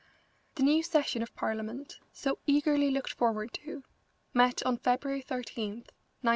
The new session of Parliament, so eagerly looked forward to, met on February 13, 1905.